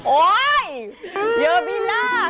โอ้ยเยอร์บิลล่าค่ะ